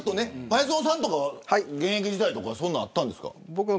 前園さんは現役時代とかそんなのあったんですか。